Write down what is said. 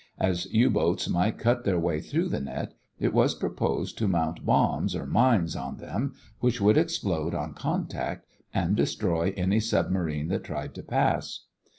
As U boats might cut their way through the net, it was proposed to mount bombs or mines on them which would explode on contact and destroy any submarine that tried to pass.